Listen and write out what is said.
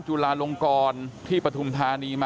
แต่ว่าวินนิสัยดุเสียงดังอะไรเป็นเรื่องปกติอยู่แล้วครับ